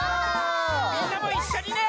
みんなもいっしょにね！